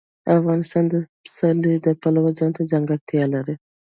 افغانستان د پسرلی د پلوه ځانته ځانګړتیا لري.